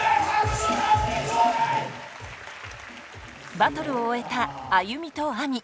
バトルを終えたＡＹＵＭＩとＡＭＩ。